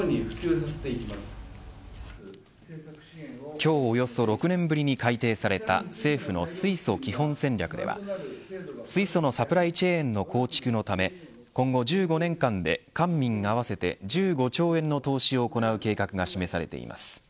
今日およそ６年ぶりに改定された政府の水素基本戦略では水素のサプライチェーンの構築のため今後１５年間で、官民合わせて１５兆円の投資を行う計画が示されています。